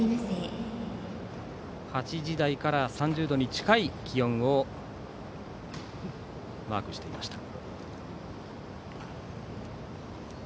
８時台から３０度に近い気温をマークしていました。